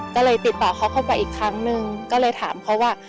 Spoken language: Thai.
ก็เลยติดต่อเขาเข้าไปอีกครั้งนึงก็เลยถามเขาว่า